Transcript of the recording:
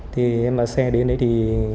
thì xe đến đấy thì